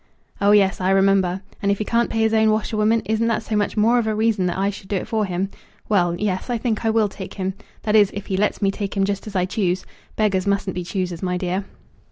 "Oh, yes; I remember. And if he can't pay his own washerwoman, isn't that so much more of a reason that I should do it for him? Well; yes; I think I will take him. That is, if he lets me take him just as I choose. Beggars mustn't be choosers, my dear."